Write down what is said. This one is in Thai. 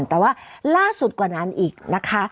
แต่ว่าล่าสุดกว่านั้นอีกนะคะ